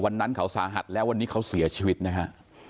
วันนั้นเขาสาหัสแล้ววันนี้เขาเสียชีวิตนะฮะ